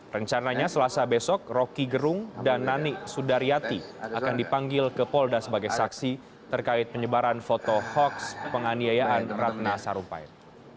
rencananya selasa besok rocky gerung dan nani sudaryati akan dipanggil ke polda sebagai saksi terkait penyebaran foto hoaks penganiayaan ratna sarumpait